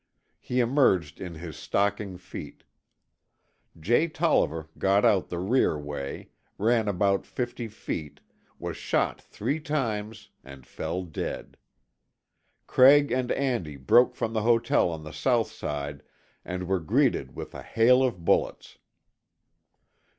He emerged in his stocking feet. Jay Tolliver got out the rear way, ran about fifty feet, was shot three times and fell dead. Craig and Andy broke from the hotel on the south side and were greeted with a hail of bullets.